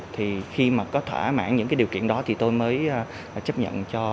thì khi mà có thỏa mãn những cái điều kiện đó thì tôi mới chấp nhận cho